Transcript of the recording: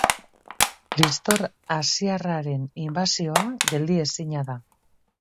Liztor asiarraren inbasioa geldi ezina da.